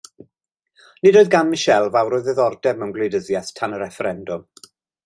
Nid oedd gan Michelle fawr o ddiddordeb mewn gwleidyddiaeth tan y refferendwm.